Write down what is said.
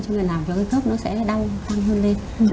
cho nên làm cho cái gốc nó sẽ đau tăng hơn lên